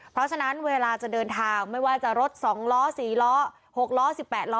เพราะฉะนั้นเวลาจะเดินทางไม่ว่าจะรถ๒ล้อ๔ล้อ๖ล้อ๑๘ล้อ